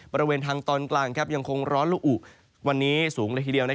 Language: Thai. บริเวณทางตอนกลางยังคงร้อนละอุวันนี้สูงเลยทีเดียว